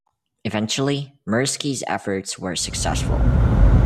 Eventually Mirsky's efforts were successful.